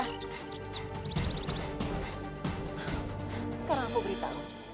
sekarang aku beritahu